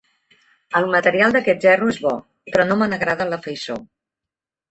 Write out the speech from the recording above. El material d'aquest gerro és bo, però no me n'agrada la faiçó.